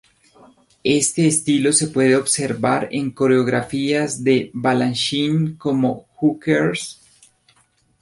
Este estilo se puede observar en coreografías de Balanchine como "Who Cares?